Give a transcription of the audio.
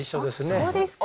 そうですか。